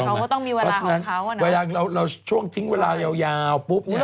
เพราะฉะนั้นเวลาเราช่วงทิ้งเวลายาวปุ๊บ